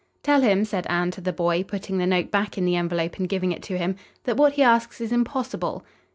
"Tell him," said Anne to the boy, putting the note back in the envelope and giving it to him, "that what he asks is impossible."